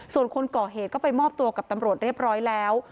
ส่วนคนก่อเหตุก็ไปมอบตัวกับตำรวจเรียบร้อยแล้ว